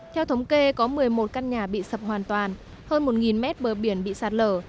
theo thống kê có một mươi một căn nhà bị sập hoàn toàn hơn một mét bờ biển bị sạt lở